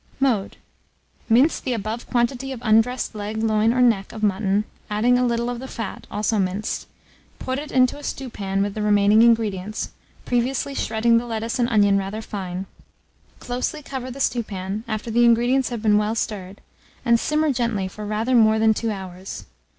Mode. Mince the above quantity of undressed leg, loin, or neck of mutton, adding a little of the fat, also minced; put it into a stewpan with the remaining ingredients, previously shredding the lettuce and onion rather fine; closely cover the stewpan, after the ingredients have been well stirred, and simmer gently for rather more than 2 hours.